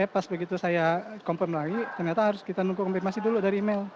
pas begitu saya confirm lagi ternyata harus kita nunggu konfirmasi dulu dari email